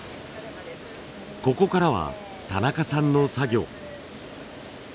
ここからは田中さんの作業。